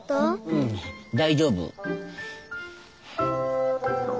うん大丈夫。